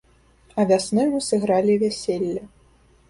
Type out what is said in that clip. А вясной мы сыгралі вяселле.